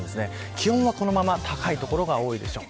気温はこのまま高い所が多いでしょう。